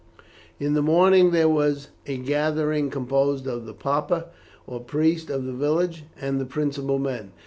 In the morning there was a gathering composed of the papa or priest of the village and the principal men.